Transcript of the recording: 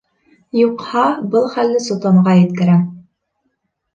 Юҡһа, был хәлде солтанға еткерәм.